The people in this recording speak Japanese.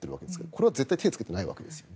これは絶対に手をつけてないわけです。